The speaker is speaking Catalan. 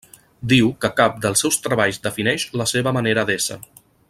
Diu que cap dels seus treballs defineix la seva manera d'ésser.